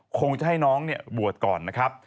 คงจะให้น้องบวชก่อนนะครับ